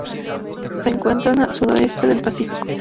Se encuentran al sudoeste del Pacífico.